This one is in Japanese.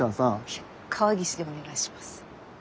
いや川岸でお願いします。